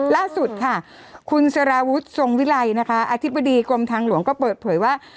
ล่าสุดค่ะคุณสารวุฒิทรงวิไลนะคะอธิบดีกรมทางหลวงก็เปิดเผยว่า